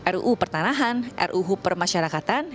ruu pertanahan ruu permasyarakatan